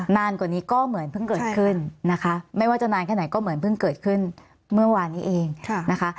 นะคะไม่ว่าจะนานแค่ไหนก็เหมือนพึ่งเกิดขึ้นเมื่อวานนี้เองนะคะ